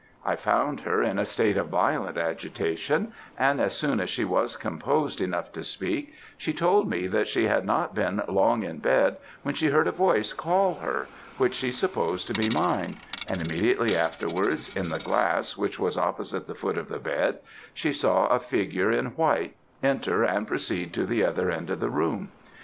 I found her in a state of violent agitation, and as soon as she was composed enough to speak, she told me that she had not been long in bed when she heard a voice call her, which she supposed to be mine, and immediately afterwards, in the glass which was opposite the foot of the bed, she saw a figure in white, enter and proceed to the other end of the room.